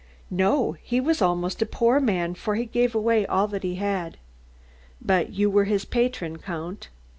"No, he was almost a poor man, for he gave away all that he had." "But you were his patron, Count."